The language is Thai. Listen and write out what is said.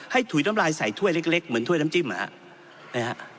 ถุยน้ำลายใส่ถ้วยเล็กเหมือนถ้วยน้ำจิ้มนะฮะ